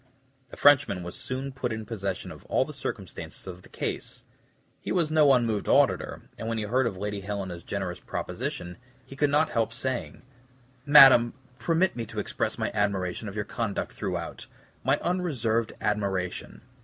The Frenchman was soon put in possession of all the circumstances of the case. He was no unmoved auditor, and when he heard of Lady Helena's generous proposition, he could not help saying, "Madame, permit me to express my admiration of your conduct throughout my unreserved admiration.